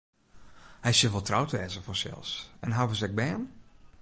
Hy sil wol troud wêze fansels en hawwe se ek bern?